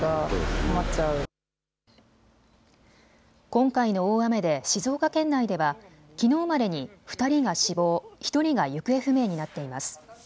今回の大雨で静岡県内ではきのうまでに２人が死亡、１人が行方不明になっています。